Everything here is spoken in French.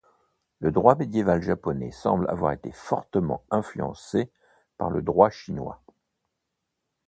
Le droit médiéval japonais semble avoir été fortement influencé par le droit chinois.